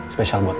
special buat lo